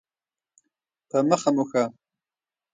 په مخه مو ښه.